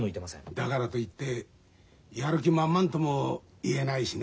だからと言ってやる気満々とも言えないしね。